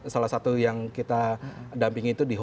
salah satu yang kita dampingi itu